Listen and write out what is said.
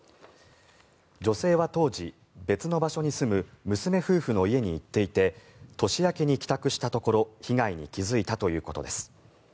女性は当時、別の場所に住む娘夫婦の家に行っていて年明けに帰宅したところ被害に気付いたということです。